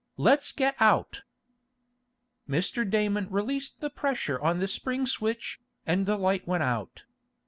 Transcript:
Let's get out!" Mr. Damon released the pressure on the spring switch, and the light went out.